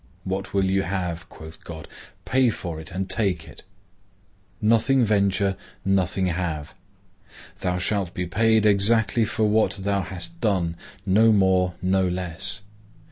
—What will you have? quoth God; pay for it and take it.—Nothing venture, nothing have.—Thou shalt be paid exactly for what thou hast done, no more, no less.